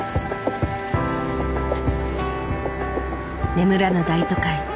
眠らぬ大都会。